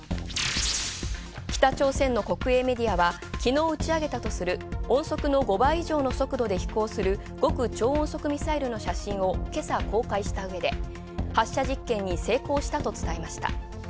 北朝鮮の国営メディアは昨日打ち上げたとする音速の５倍以上の速度で飛行する極超音速ミサイルの写真を今朝公開したうえで発射実験に成功したと伝えました。